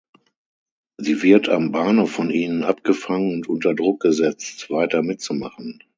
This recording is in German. Sie wird am Bahnhof von ihnen abgefangen und unter Druck gesetzt weiter mitzumachen.